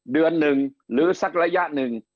เดือนหนึ่งหรือสักระยะหนึ่ง